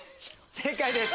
正解です。